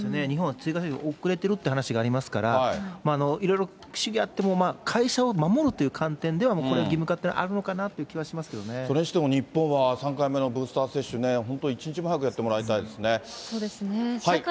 日本は追加接種、遅れてるって話がありますから、いろいろあっても、会社を守るという観点では、もうこれは義務化っていうのはあるのかなっていう気はしますけどそれにしても日本は３回目のブースター接種ね、一日も早くやってもらいたいですね。